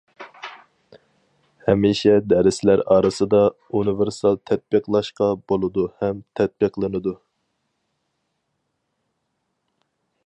ھەمىشە دەرسلەر ئارىسىدا ئۇنىۋېرسال تەتبىقلاشقا بولىدۇ ھەم تەتبىقلىنىدۇ.